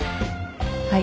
はい。